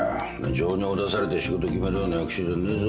情にほだされて仕事決めるような役者じゃねえぞ俺は。